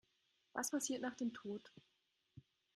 Was passiert nach dem Tod?